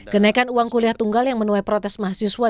kenaikan uang kuliah tunggal yang menuai protes mahasiswa